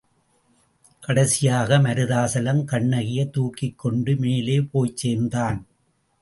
கடைசியாக, மருதாசலம் கண்ணகியைத் தூக்கிக்கொண்டு மேலே போய்ச் சேர்ந்தான்.